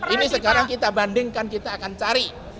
ini sekarang kita bandingkan kita akan cari